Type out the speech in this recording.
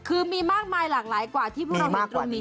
คือมีมากมายหลากหลายกว่าที่พวกเราเห็นตรงนี้